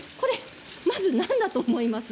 まず何だと思いますか？